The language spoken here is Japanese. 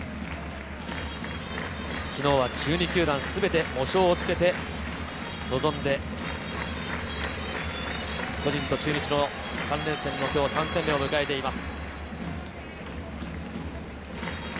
昨日は１２球団すべて喪章をつけて臨んで、巨人と中日の３連戦の今日３試合目を迎えています。